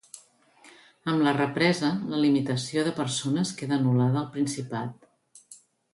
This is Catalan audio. Amb la represa, la limitació de persones queda anul·lada al Principat.